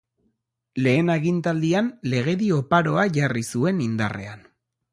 Lehen agintaldian legedi oparoa jarri zuen indarrean.